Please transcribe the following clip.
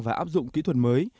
và áp dụng kỹ thuật mới